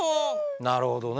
なるほどね。